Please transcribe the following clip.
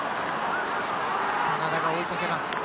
真田が追いかけます。